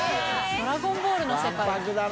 「ドラゴンボール」の世界だ。